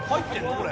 これ。